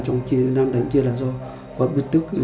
chỉ vận động súng trong môi trường